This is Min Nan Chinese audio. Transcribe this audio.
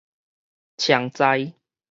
常在